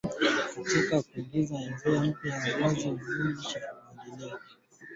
Katika kuingiza enzi mpya ya uongozi wa Jumuiya ya Maendeleo Kusini mwa Afrika sherehe za ufunguzi